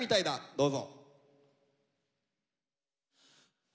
どうぞ。